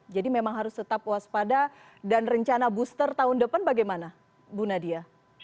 jadi memang harus tetap waspada dan rencana booster tahun depan bagaimana bu nadia